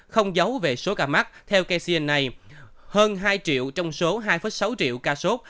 không giấu về số ca mắc theo kcna hơn hai triệu trong số hai sáu triệu ca sốt